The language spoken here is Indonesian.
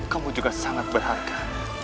kamu juga sangat berharga